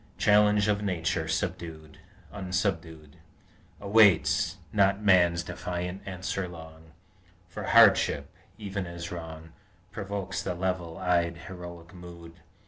Challenge of Nature unsubdued Awaits not Man's defiant answer long; For hardship, even as wrong, Provokes the level eyed heroic mood.